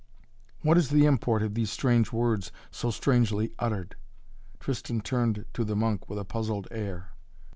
"What is the import of these strange words so strangely uttered?" Tristan turned to the monk with a puzzled air.